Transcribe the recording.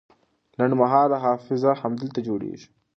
لنډمهاله حافظه همدلته جوړیږي.